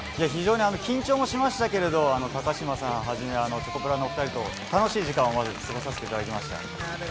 緊張もしましたけれど、高嶋さんはじめチョコプラの２人と楽しい時間を過ごさせていただきました。